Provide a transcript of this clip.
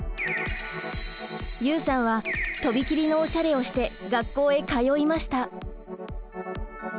ユウさんはとびきりのおしゃれをして学校へ通いました！